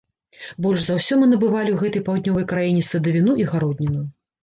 Больш за ўсё мы набывалі ў гэтай паўднёвай краіне садавіну і гародніну.